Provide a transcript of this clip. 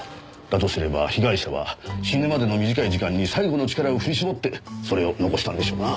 だとすれば被害者は死ぬまでの短い時間に最後の力を振り絞ってそれを残したんでしょうな。